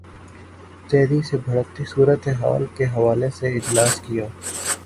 تیزی سے بگڑتی صورت حال کے حوالے سے اجلاس کیا